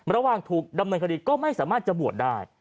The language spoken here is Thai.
ระหว่างถูกดำเนินคดีก็ไม่สามารถจะบวชได้